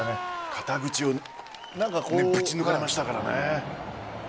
肩口をぶち抜かれましたからね。